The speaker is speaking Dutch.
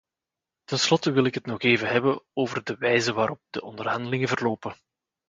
Tenslotte wil ik het nog even hebben over de wijze waarop de onderhandelingen verlopen.